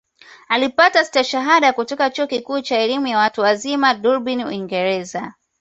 Alipata Stashahada kutoka Chuo Kikuu cha Elimu ya Watu Wazima Dublin Uingereza